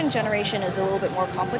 generasi kedua agak lebih rumit